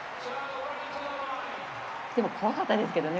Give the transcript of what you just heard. でも怖かったですけどね